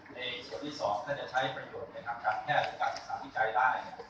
ในส่วนที่๒ถ้าจะใช้ประโยชน์ในทางการแพทย์หรือการศึกษาวิจัยได้